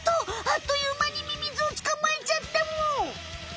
あっというまにミミズを捕まえちゃったむ！